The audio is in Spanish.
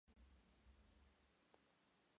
Cabe destacar el salmón, la lamprea o la anguila.